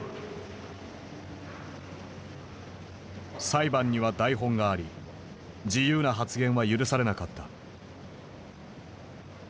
裁判には台本があり自由な発言は許されなかった。